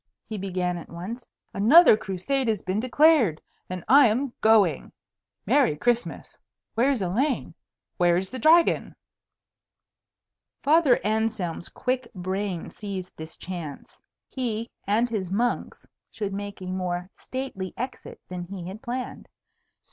he began at once. "Another Crusade has been declared and I am going. Merry Christmas! Where's Elaine? Where's the Dragon?" Father Anselm's quick brain seized this chance. He and his monks should make a more stately exit than he had planned.